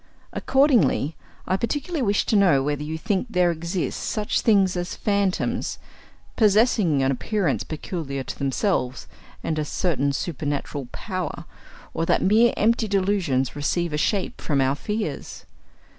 Accordingly, I particularly wish to know whether you think there exist such things as phantoms, possessing an appearance peculiar to themselves, and a certain supernatural power, or that mere empty delusions receive a shape from our fears.